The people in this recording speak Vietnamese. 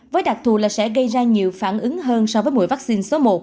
với đặc thù là sẽ gây ra nhiều phản ứng hơn so với mỗi vaccine số một